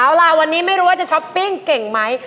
เอาล่ะวันนี้ไม่รู้ว่าจะช้อปปิ้งเก่งไหม